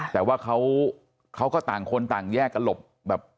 แต่ว่าเขาก็ต่างคนต่างแยกกันหลบแบบ